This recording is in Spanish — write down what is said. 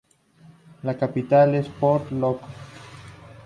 La capital es Port Loko.